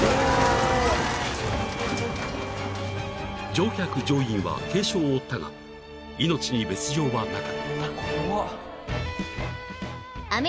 ［乗客乗員は軽傷を負ったが命に別条はなかった］